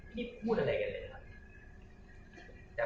พี่พูดอะไรกันเลยทำ